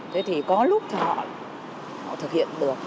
thế thì có lúc họ thực hiện được